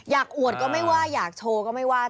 อวดก็ไม่ว่าอยากโชว์ก็ไม่ว่า